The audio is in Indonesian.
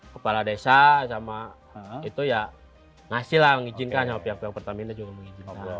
kepala desa sama itu ya ngasihlah mengizinkan sama pihak pihak pertamina juga mengizinkan